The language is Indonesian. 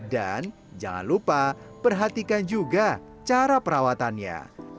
dan jangan lupa perhatikan juga cara perawatannya